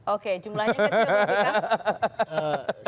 oke jumlahnya kecil berarti kan